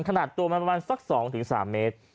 ขนาดตัวประมาณภักดิ์๒ถึง๓เมตร